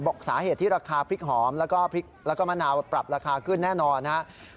สาเหตุที่ราคาพริกหอมแล้วก็พริกแล้วก็มะนาวปรับราคาขึ้นแน่นอนนะครับ